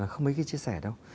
không mấy khi chia sẻ đâu